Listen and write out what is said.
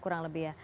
kurang lebih ya